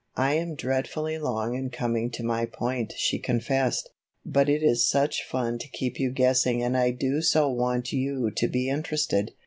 "I am dreadfully long in coming to my point," she confessed, "but it is such fun to keep you guessing and I do so want you to be interested.